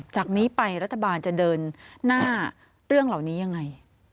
จากนี้ไปรัฐบาลจะเดินหน้าเรื่องเหล่านี้ยังไง